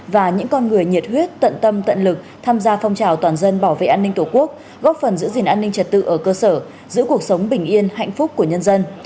và những con người nhiệt huyết tận tâm tận lực tham gia phong trào toàn dân bảo vệ an ninh tổ quốc góp phần giữ gìn an ninh trật tự ở cơ sở giữ cuộc sống bình yên hạnh phúc của nhân dân